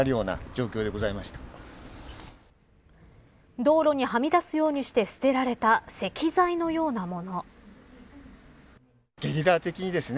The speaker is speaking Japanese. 道路にはみ出すようにして捨てられた石材のようなもの。